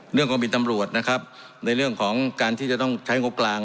กองบินตำรวจนะครับในเรื่องของการที่จะต้องใช้งบกลาง